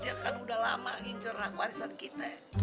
dia kan udah lama ngincerna warisan kita